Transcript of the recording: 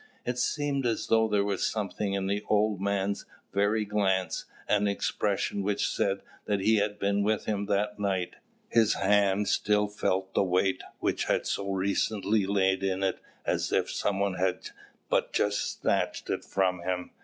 It seemed as though there were something in the old man's very glance and expression which said that he had been with him that night: his hand still felt the weight which had so recently lain in it as if some one had but just snatched it from him.